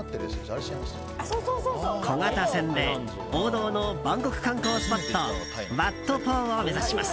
小型船で王道のバンコク観光スポットワット・ポーを目指します。